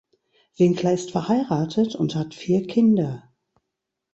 Winkler ist verheiratet und hat vier Kinder.